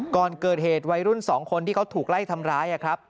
ก่อนเกิดเหตุวัยรุ่น๒คนที่เขาถูกไล่ทำร้ายครับ